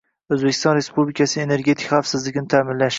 O‘zbekiston Respublikasining energetika xavfsizligini ta’minlash